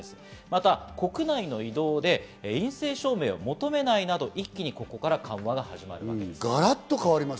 また国内の移動で陰性証明を求めないなど一気にここから緩和が始まります。